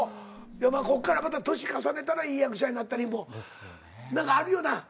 こっからまた年重ねたらいい役者になったりも何かあるよな。